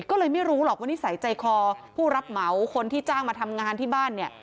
ก็เลยไม่รู้หรอกว่านิสัยใจคอผู้รับเหมาคนที่จ้างมาทำงานที่บ้านเนี่ย